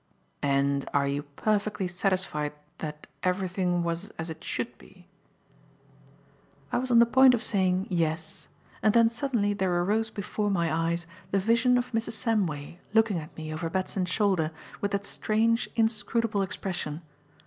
"And are you perfectly satisfied that everything was as it should be?" I was on the point of saying "yes." And then suddenly there arose before my eyes the vision of Mrs. Samway looking at me over Batson's shoulder with that strange, inscrutable expression.